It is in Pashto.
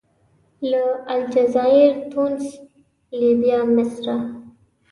له الجزایر، تونس، لیبیا، مصره.